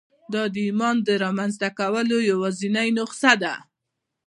دا د ایمان د رامنځته کولو یوازېنۍ نسخه ده